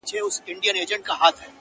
• ښکاري و ویشتی هغه موږک یارانو..